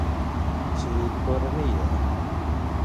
چي كورنۍ يې.